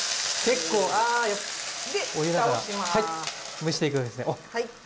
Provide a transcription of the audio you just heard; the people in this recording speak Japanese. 蒸していくんですね。